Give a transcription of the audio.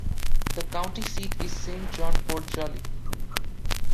The county seat is Saint-Jean-Port-Joli.